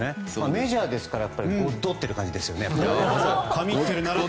メジャーですからゴッドってる感じですよね。